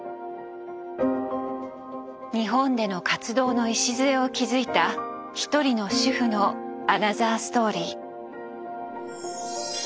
日本での活動の礎を築いた一人の主婦のアナザーストーリー。